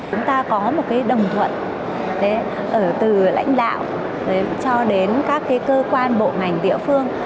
chúng ta có một đồng thuận từ lãnh đạo cho đến các cơ quan bộ ngành địa phương